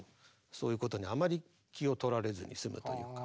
そういうことにあまり気をとられずに済むというか。